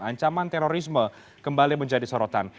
ancaman terorisme kembali menjadi sorotan